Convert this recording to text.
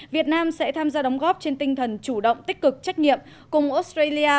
việt nam sẽ tham gia đóng góp trên tinh thần chủ động tích cực trách nhiệm cùng australia